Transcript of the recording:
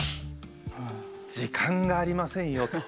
「時間がありませんよ」と。